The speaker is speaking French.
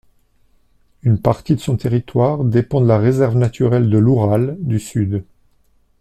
Une partie de son territoire dépend de la réserve naturelle de l'Oural du Sud.